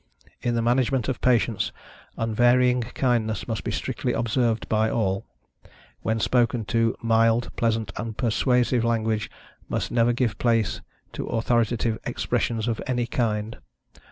In the management of patients, unvarying kindness must be strictly observed by all. When spoken to, mild, pleasant and persuasive language must never give place to authoritative expressions of any kind.